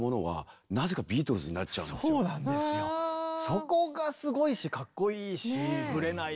そこがすごいしかっこいいしブレないし。